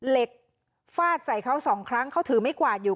เหล็กฟาดใส่เขาสองครั้งเขาถือไม้กวาดอยู่